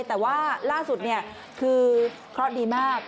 แต่ว่าล่าสุดคือเคราะห์ดดีมาก